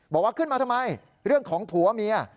บอกว่าขึ้นมาทำไมเรื่องของผัวเมีย